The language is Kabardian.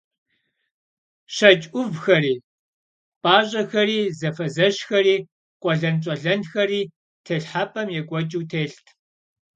ЩэкӀ Ӏувхэри, пӀащӀэхэри, зэфэзэщхэри, къуэлэнпщӀэлэнхэри телхьэпӀэм екӀуэкӀыу телът.